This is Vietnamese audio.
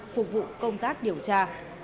phục vụ công tác điều tra